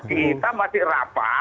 kita masih rapat